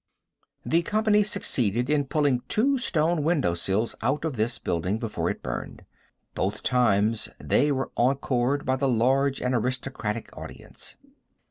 The company succeeded in pulling two stone window sills out of this building before it burned. Both times they were encored by the large and aristocratic audience.